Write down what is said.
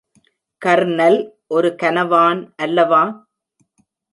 Kernel ஒரு கனவான் அல்லவா?